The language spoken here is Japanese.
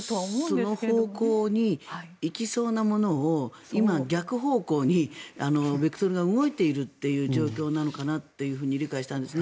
その方向に行きそうなものを今、逆方向にベクトルが動いているという状況なのかなって理解したんですね。